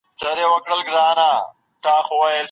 په اقتصادي تعريف کي ځينې مهمې اصطلاحګانې نغښتې دي.